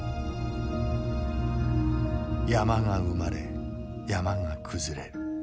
山が生まれ山が崩れる。